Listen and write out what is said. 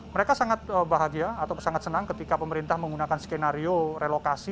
mereka sangat bahagia atau sangat senang ketika pemerintah menggunakan skenario relokasi